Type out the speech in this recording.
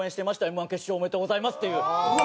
「Ｍ−１決勝おめでとうございます」っていう。